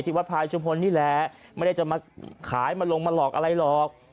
วัดพายชุมพลนี่แหละไม่ได้จะมาขายมาลงมาหลอกอะไรหรอก